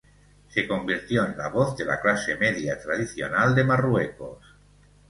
Se convirtió en la voz de la clase media tradicional de Marruecos.